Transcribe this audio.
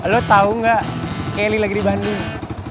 lo tau gak kelly lagi di bandung